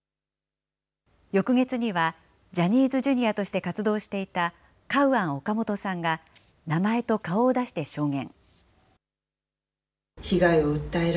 翌月にはジャニーズＪｒ．として活動していたカウアン・オカモトさんが、名前と顔を出して証言。